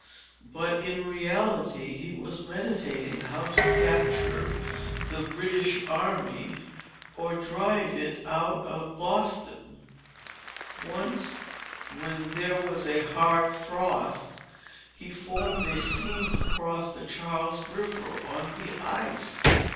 But, in reality, he was meditating how to capture the British army, or drive it out of Boston. Once, when there was a hard frost, he formed a scheme to cross the Charles River on the ice.